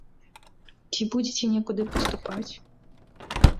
Ці будзеце некуды паступаць?